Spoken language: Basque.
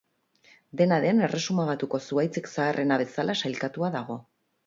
Dena den, Erresuma Batuko zuhaitzik zaharrena bezala sailkatua dago.